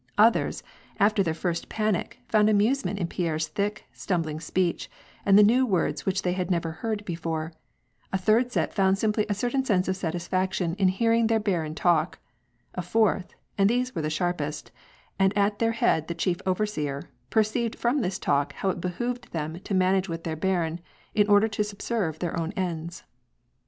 Others, after their first panic, found amusement in Pierre's thick, stumbling speech, and the new words which they had never before heard ; a third set found simply a certain sense of satisfaction in hearing their barin talk ; a fourth, and these were the sharpest, and at their head the chief overseer, perceived from this talk how it behooved them to manage with their barin, in order to subserve their own ends.